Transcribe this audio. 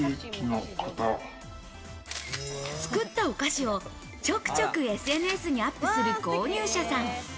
作ったお菓子を、ちょくちょくＳＮＳにアップする購入者さん。